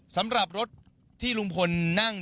สำหรับรถที่ลุงพลนั่ง